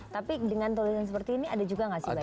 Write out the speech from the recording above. tapi dengan tulisan seperti ini ada juga gak sih baiknya